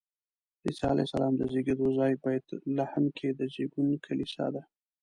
د عیسی علیه السلام د زېږېدو ځای بیت لحم کې د زېږون کلیسا ده.